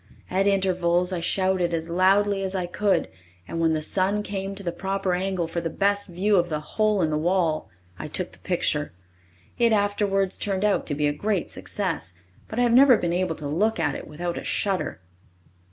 At intervals I shouted as loudly as I could and, when the sun came to the proper angle for the best view of the "Hole in the Wall," I took the picture. It afterwards turned out to be a great success, but I have never been able to look at it without a shudder.